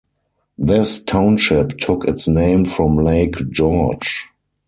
This township took its name from Lake George.